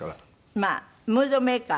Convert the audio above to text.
まあムードメーカー